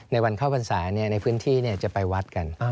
ในวันเข้าพรรษาในพื้นที่จะไปวัดกัน